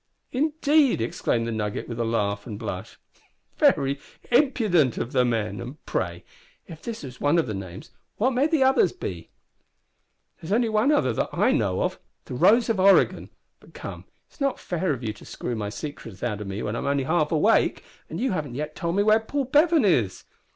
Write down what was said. "Indeed!" exclaimed the Nugget with a laugh and blush; "very impudent of the men; and, pray, if this is one of the names, what may the others be?" "There's only one other that I know of the Rose of Oregon. But come, it's not fair of you to screw my secrets out o' me when I'm only half awake; and you haven't yet told me where Paul Bevan is."